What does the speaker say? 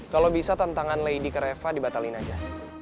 kalau bisa tantangan lady kereva dibatalin aja